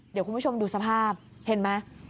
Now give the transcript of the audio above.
เดี๋ยวคุณผู้ชมดูสภาพเห็นไหม